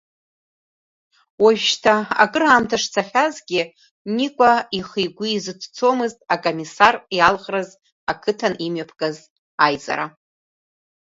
Уажәшьҭа акыр аамҭа шцахьазгьы, Никәа ихы-игәы изыҭцомызт акомиссар иалхраз ақыҭан имҩаԥгаз аизара.